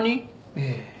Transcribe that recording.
ええ。